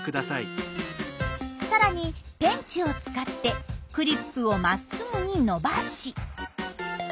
さらにペンチを使ってクリップをまっすぐに伸ばし。